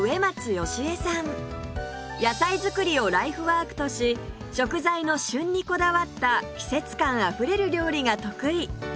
野菜作りをライフワークとし食材の旬にこだわった季節感あふれる料理が得意